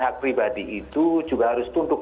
hak pribadi itu juga harus tunduk